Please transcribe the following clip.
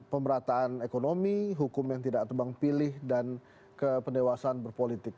pemerataan ekonomi hukum yang tidak tebang pilih dan kependewasaan berpolitik